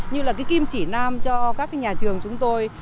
như là cái kim chỉ nam cho các nhà trường chúng tôi